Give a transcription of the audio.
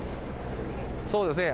そうですね。